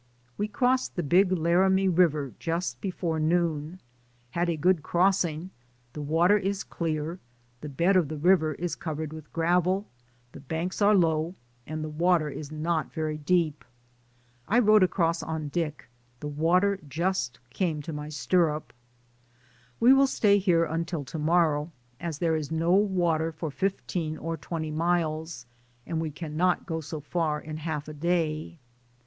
We crossed the Big Laramie River just before noon. Had a good crossing ; the wa ter is clear, the bed of the river is covered with gravel, the banks are low, and the water is not very deep. I rode across on Dick ; the water just came to my stirrup. We will stay here until to morrow, as there is no water for fifteen or twenty miles, and we cannot go so 14^ DAYS ON THE ROAD. far in half a day.